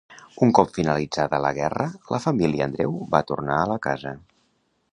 Un cop finalitzada la guerra la família Andreu va tornar a la casa.